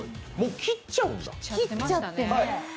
切っちゃうんだ。